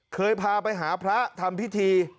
เคยพาไปหาพระทำพิธี